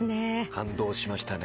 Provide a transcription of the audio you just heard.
感動しましたね。